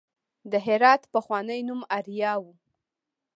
د هرات پخوانی نوم اریا و